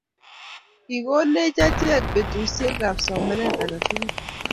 Kikonech achek bukuisiekab somanet age tugul